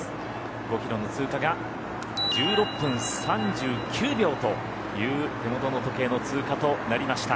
５キロの通過が１６分３９秒という手元の時計の通過となりました。